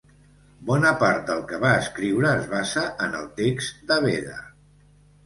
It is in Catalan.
Bona part del que va escriure es basa en el text de Beda.